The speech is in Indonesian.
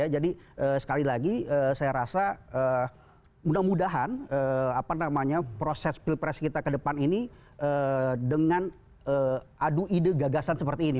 jadi sekali lagi saya rasa mudah mudahan proses pilpres kita ke depan ini dengan adu ide gagasan seperti ini